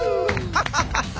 アハハハ。